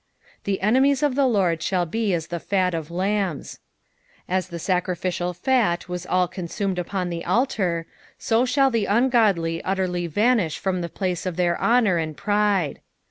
" 3'he en^aie» of the Lord thall be at the fat of iamB«," As the sacrificial fnt was all consumed upon the altar, so shall the ungodlj utterly vanish from the place of their honour and pride.